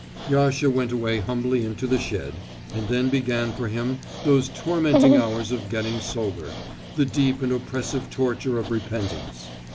Yasha went away humbly into the shed, and then began for him those tormenting hours of getting sober, the deep and oppressive torture of repentance.